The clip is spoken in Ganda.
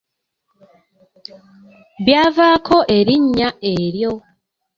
Byavaako erinnya eryo.